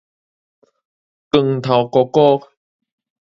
光頭哥哥